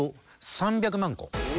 ３００万。